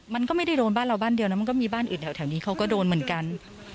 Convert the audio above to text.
มันก็ไม่ได้โดนบ้านเราบ้านเดียวนะมันก็มีบ้านอื่นแถวนี้เขาก็โดนเหมือนกัน